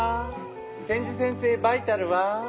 千住先生バイタルは？」